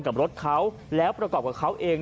กับรถเขาแล้วประกอบกับเขาเอง